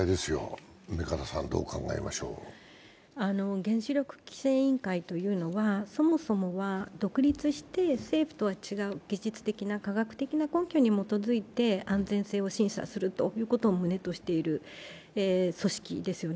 原子力規制委員会というのはそもそもは独立して政府とは違う技術的な、科学的な根拠に基づいて安全性を審査するということを旨としている組織ですよね。